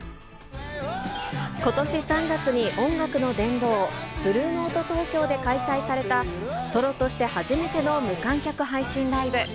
ことし３月に音楽の殿堂、ＢｌｕｅＮｏｔｅＴｏｋｙｏで開催された、ソロとして初めての無観客配信ライブ。